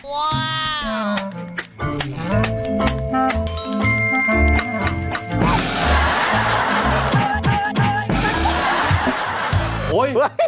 ว้าว